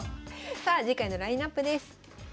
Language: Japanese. さあ次回のラインナップです。